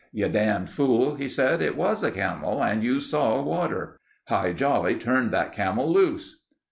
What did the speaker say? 'You damned fool,' he said. 'It was a camel and you saw water. Hi Jolly turned that camel loose.